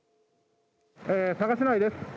佐賀市内です。